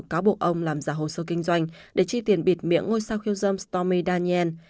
cáo buộc ông làm giả hồ sơ kinh doanh để chi tiền bịt miệng ngôi sao khiêu dâm stomy daniel